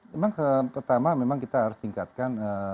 memang pertama memang kita harus tingkatkan